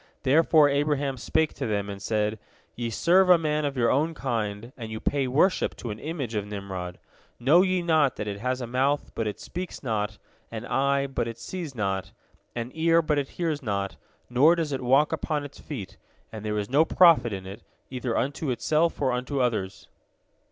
Therefore Abraham spake to them, and said: "Ye serve a man of your own kind, and you pay worship to an image of Nimrod. Know ye not that it has a mouth, but it speaks not; an eye, but it sees not; an ear, but it hears not; nor does it walk upon its feet, and there is no profit in it, either unto itself or unto others?"